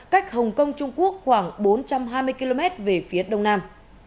cách hồng kông trung quốc khoảng bốn trăm hai mươi km về phía đông nam